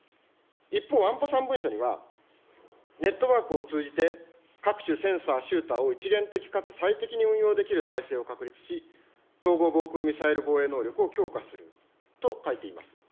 一方、安保３文書には、ネットワークを通じて、各種センサー、シューターを一元的かつ最適に運用できる体制を確立し、統合防空ミサイル防衛能力を強化すると書いています。